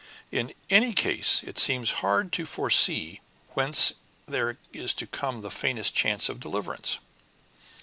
In any case, it seems hard to foresee whence there is to come the faintest chance of deliverance."